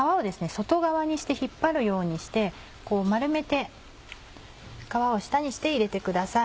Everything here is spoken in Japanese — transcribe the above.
外側にして引っ張るようにして丸めて皮を下にして入れてください。